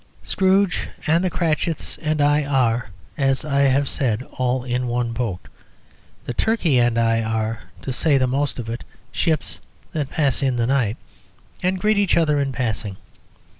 Scrooge and the Cratchits and I are, as I have said, all in one boat; the turkey and I are, to say the most of it, ships that pass in the night, and greet each other in passing.